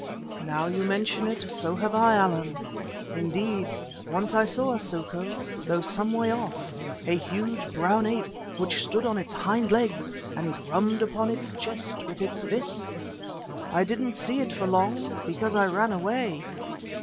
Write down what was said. "Now you mention it, so have I, Allan. Indeed, once I saw a soko, though some way off, a huge, brown ape which stood on its hind legs and drummed upon its chest with its fists. I didn't see it for long because I ran away."